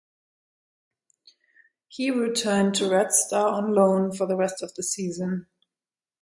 He returned to Red Star on loan for the rest of the season.